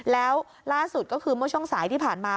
แล้วล่าสุดก็คือมศที่ผ่านมา